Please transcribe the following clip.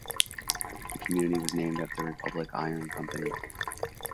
The community was named after the Republic Iron Company.